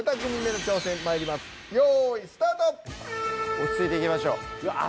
落ち着いていきましょう。